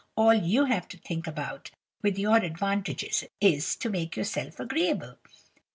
All you have to think about, with your advantages, is to make yourself agreeable.